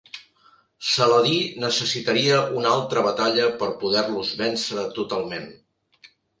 Saladí necessitaria una altra batalla per poder-los vèncer totalment.